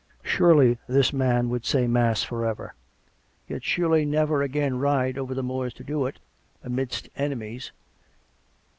Surely this man should say mass for ever; yet surely never again ride over the moors to do it, amidst enemies.